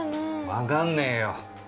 わかんねえよ。